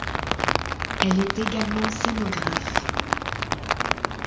Elle est également scénographe.